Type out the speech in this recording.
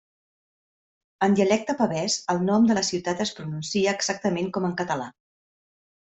En dialecte pavès, el nom de la ciutat es pronuncia exactament com en català.